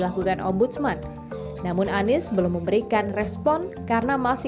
menanggapi laporan ini ombudsman menilai kebijakan penataan ulang pkl tanah abang dalam rentang waktu enam puluh hari